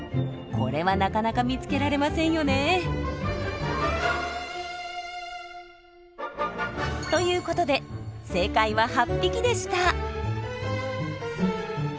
これはなかなか見つけられませんよね。ということで正解は８匹でした。